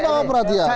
saya bawa perhatian